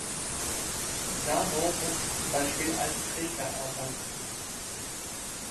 Samo mussten zum Beispiel als Träger arbeiten.